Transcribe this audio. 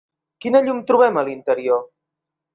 Quina llum trobem a l'interior?